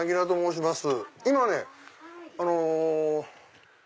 今ねあの。